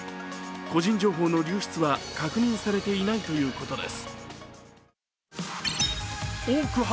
個人情報の流出は確認されていないということです。